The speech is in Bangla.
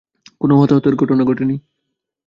কোনো হতাহতের ঘটনা ঘটেনি।